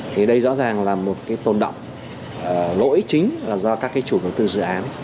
thì đây rõ ràng là một tồn động lỗi chính do các chủ đầu tư dự án